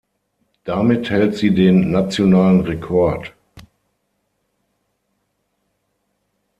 Damit hält sie den nationalen Rekord.